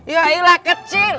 yai lah kecil